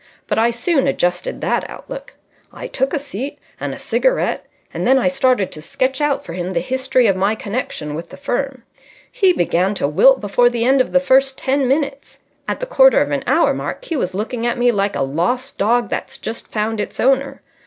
But I soon adjusted that outlook. I took a seat and a cigarette, and then I started to sketch out for him the history of my connection with the firm. He began to wilt before the end of the first ten minutes. At the quarter of an hour mark he was looking at me like a lost dog that's just found its owner.